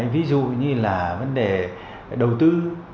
ví dụ như là vấn đề đầu tư